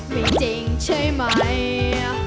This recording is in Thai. ไม่จริงใช่ไหม